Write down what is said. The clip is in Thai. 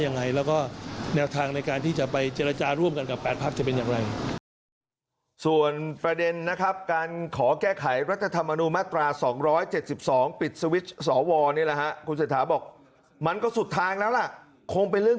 คงเป็นเรื่องที่จะเป็นเรื่องที่จะเป็นเรื่องที่จะเปลี่ยน